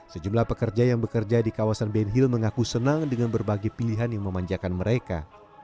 sejumlah pekerja yang bekerja di kawasan benhil mengaku senang dengan berbagai pilihan yang memanjakan mereka